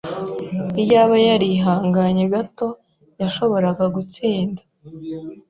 Iyaba yarihanganye gato, yashoboraga gutsinda.